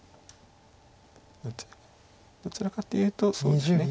どちらかというとそうですね